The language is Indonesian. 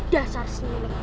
dasar semula detik